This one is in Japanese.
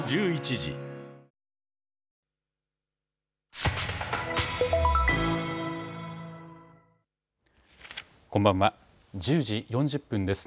１０時４０分です。